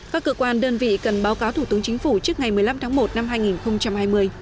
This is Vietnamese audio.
các cơ quan đơn vị cần báo cáo thủ tướng chính phủ trước ngày một mươi năm tháng một năm hai nghìn hai mươi